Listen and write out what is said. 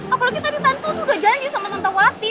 apalagi tadi tante udah janji sama tante wati